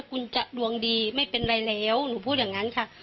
คุณจะดวงดีไม่เป็นไรแล้วหนูพูดอย่างนั้นค่ะ